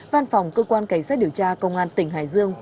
văn phòng cơ quan cảnh sát điều tra công an tỉnh hải dương